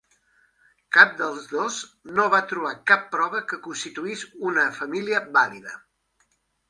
Cap dels dos no va trobar cap prova que constituís una família vàlida.